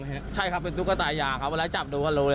ไหมฮะใช่ครับเป็นตุ๊กตาหย่างครับวันนี้จับดูก็รู้เลย